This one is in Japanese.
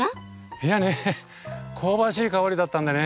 いやね香ばしい香りだったんでね